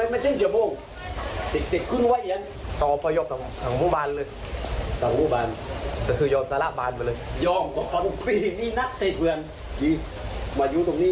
มาอยู่ตรงนี้แค่๒๐ปีแหละ